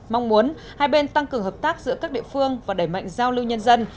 mong muốn hai bên tăng cường hợp tác giữa các địa phương và đẩy mạnh giao lưu nhân dân